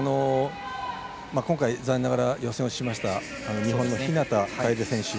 今回、残念ながら予選落ちしました日本の日向楓選手。